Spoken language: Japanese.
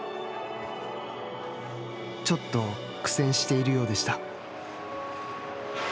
ちょっと苦戦しているようでした。